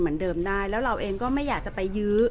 คือเราก็คิดว่ามันมาสุดทางจริงจริงแล้วเราก็อยากจะมีชีวิตที่ดี